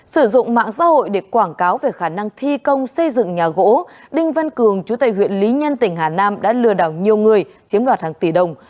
sử dụng mạng xã hội để quảng cáo về khả năng thi công xây dựng nhà gỗ đinh văn cường chủ tịch huyện lý nhân tỉnh hà nam đã lừa đảo nhiều người chiếm đoạt hàng tỷ đồng